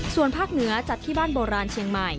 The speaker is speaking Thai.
ส่วนภาคเหนือจัดที่บ้านโบราณเชียงใหม่